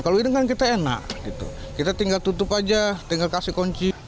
kalau ini kan kita enak kita tinggal tutup aja tinggal kasih kunci